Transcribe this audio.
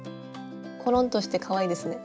ころんとしてかわいいですね。